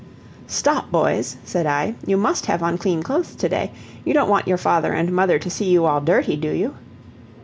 "Stop, boys," said I, "you must have on clean clothes to day. You don't want your father and mother to see you all dirty, do you?"